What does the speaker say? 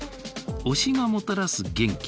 推しがもたらす元気。